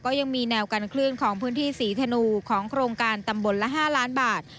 ก็ยังมีแนวการเคลื่อนของพื้นที่ศรีธนูของโครงการตำบลละ๕ล้านบาท